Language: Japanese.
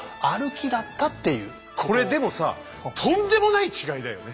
これでもさとんでもない違いだよね。